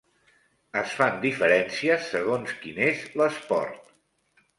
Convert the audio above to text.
Es fan diferències segons quin és l'esport.